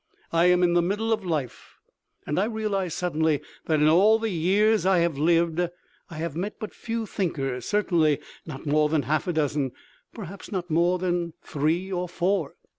I am in the middle of life and I realize suddenly that in all the years I have lived I have met but few thinkers, certainly not more than half a dozen, perhaps not more than three or four."